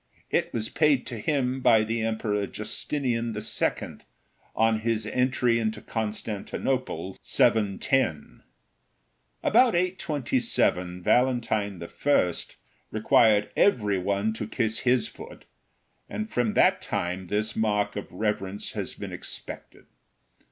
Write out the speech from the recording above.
It was paid to him by the Emperor Justinian II. on his entry into Constantinople 710. About 827 Valentine I. required every one to kiss his foot, and from that time this mark of reverence has been expected.